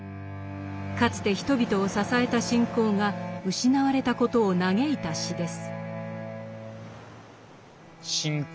かつて人々を支えた信仰が失われたことを嘆いた詩です。